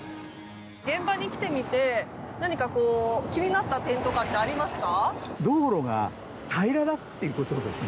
現場に来てみて何か気になった点とかってありますか？